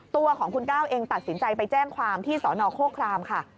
ตัวของคุณก้าวเองตัดสินใจไปแจ้งความที่สนโคครามค่ะ